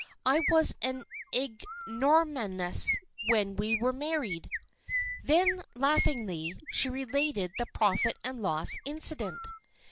"I was an ignoramus when we were married." Then, laughingly, she related the "profit and loss" incident.